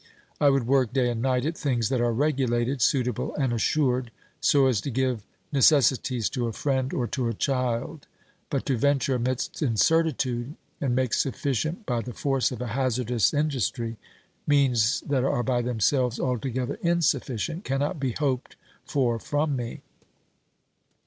I s 274 OBERMANN would work day and night at things that are regulated, suitable and assured, so as to give necessities to a friend or to a child, but to venture amidst incertitude, and make sufficient by the force of a hazardous industry means that are by themselves altogether insufficient, cannot be hoped for from me.